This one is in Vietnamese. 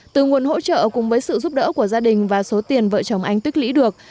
từ nguồn hỗ trợ cùng với sự giúp đỡ của gia đình và số tiền vợ chồng anh tích lũy được